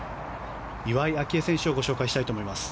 岩井明愛選手をご紹介したいと思います。